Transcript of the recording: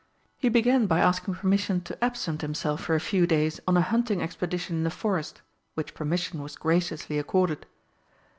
He began by asking permission to absent himself for a few days on a hunting expedition in the Forest, which permission was graciously accorded.